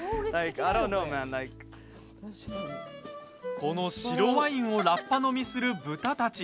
この白ワインをラッパ飲みする豚たち。